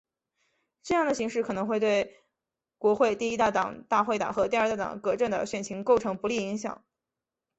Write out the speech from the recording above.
这样的形势可能对国会第一大党大会党和第二大党革阵的选情构成不利影响。